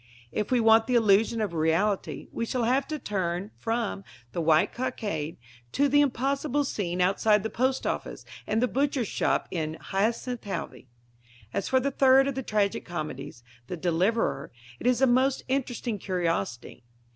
If we want the illusion of reality, we shall have to turn from The White Cockade to the impossible scene outside the post office and the butcher's shop in Hyacinth Halvey. As for the third of the tragic comedies, The Deliverer, it is a most interesting curiosity.